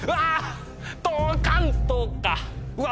うわ！